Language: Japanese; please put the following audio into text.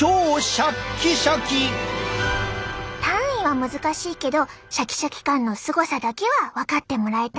単位は難しいけどシャキシャキ感のすごさだけは分かってもらえた？